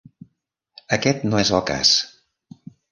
Aquest no és el cas.